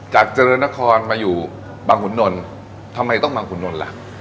จากเจริญนครมาอยู่บังขุนนลทำไมต้องบังขุนนลล่ะ